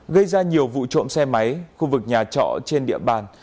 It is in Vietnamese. gây ra nhiều vụ trộm xe máy khu vực nhà trọ trên địa bàn